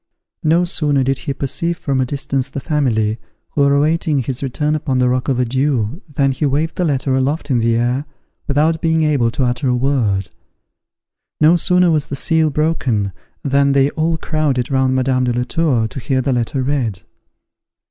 No sooner did he perceive from a distance the family, who were awaiting his return upon the rock of Adieus than he waved the letter aloft in the air, without being able to utter a word. No sooner was the seal broken, than they all crowded round Madame de la Tour, to hear the letter read.